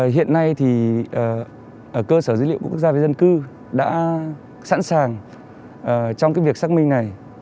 hiện nay thì cơ sở dữ liệu quốc gia về dân cư đã sẵn sàng trong việc xác minh này